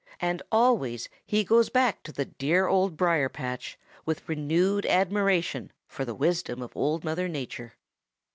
And always he goes back to the dear Old Briar patch with renewed admiration for the wisdom of Old Mother Nature.